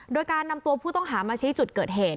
โดยการนำตัวผู้ต้องหามาชี้จุดเกิดเหตุ